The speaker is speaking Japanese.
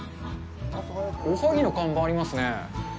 おはぎの看板、ありますね。